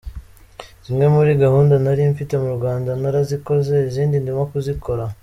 Zimwe muri gahunda nari mfite mu Rwanda narazikoze izindi ndimo kuzikora.